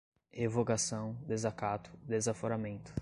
revogação, desacato, desaforamento